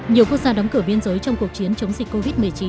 nhiều quốc gia đóng cửa biên giới trong cuộc chiến chống dịch covid một mươi chín